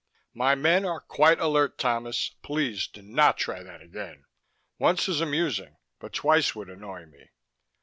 "My men are quite alert, Thomas. Please do not try that again. Once is amusing, but twice would annoy me."